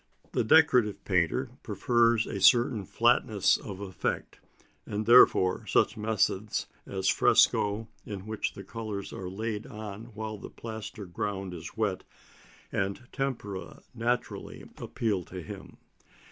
The decorative painter prefers a certain flatness of effect, and therefore such methods as fresco, in which the colours are laid on while the plaster ground is wet, and tempera naturally appeal to him.